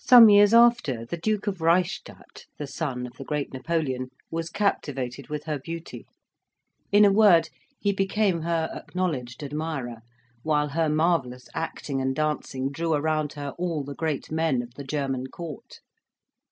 Some years after the Duke of Reichstadt, the son of the great Napoleon, was captivated with her beauty; in a word, he became her acknowledged admirer, while her marvellous acting and dancing drew around her all the great men of the German court.